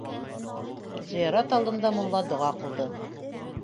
Зыярат алдында мулла доға ҡылды.